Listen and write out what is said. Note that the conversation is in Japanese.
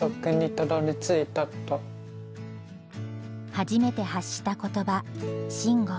初めて発した言葉「しんご」。